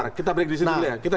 sebentar kita break disini dulu ya